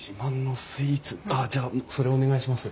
あっじゃあそれお願いします。